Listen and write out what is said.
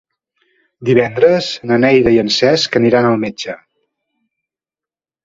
Divendres na Neida i en Cesc aniran al metge.